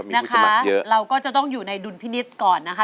นะคะเราก็จะต้องอยู่ในดุลพินิษฐ์ก่อนนะคะ